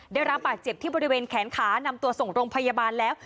ได้รับบาดเจ็บที่บริเวณแขนขานำตัวส่งโรงพยาบาลแล้ว